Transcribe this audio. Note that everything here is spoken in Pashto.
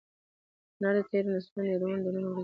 هنر د تېرو نسلونو یادونه د نن ورځې خلکو ته په امانت ډول رسوي.